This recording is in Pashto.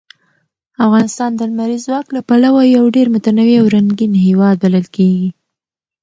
افغانستان د لمریز ځواک له پلوه یو ډېر متنوع او رنګین هېواد بلل کېږي.